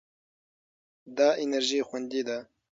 دا انرژي خوندي ده.